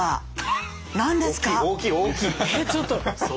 えちょっと。